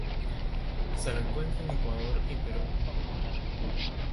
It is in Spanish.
Se lo encuentra en Ecuador y Perú.